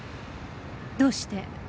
どうして？